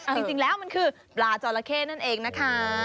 จริงแล้วมันคือปลาจอละเข้นั่นเองนะคะ